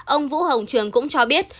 ông vũ hồng trường cũng cho biết